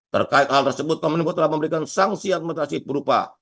terkait hal tersebut kominfo telah memberikan sanksi administrasi berupa